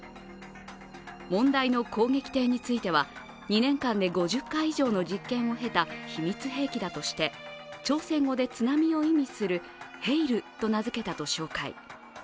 問題の攻撃艇については、２年間で５０回以上の実験を経た秘密兵器だとして、朝鮮語で津波を意味するヘイルと名付けたと紹介。